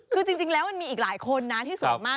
คือจริงแล้วมันมีอีกหลายคนนะที่สวยมาก